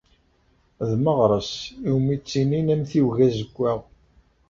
D Meɣres umi ttinin amtiweg azewwaɣ.